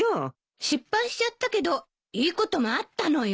失敗しちゃったけどいいこともあったのよ。